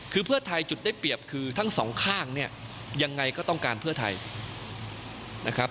ซึ่งน้อยกว่า๑๘๘คือทิ้งจุดแข็งไปนะครับ